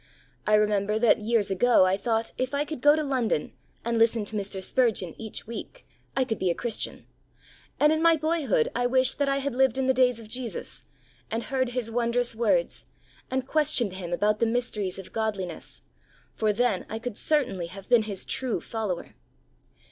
I remember that years ago I thought if I could go to London and listen to Mr. Spurgeon each week, I could be a Christian, and in my boyhood I wished that I had lived in the days of Jesus, and heard His wondrous words, and questioned Him about the mysteries of godliness, for then I could certainly have been His true followxr.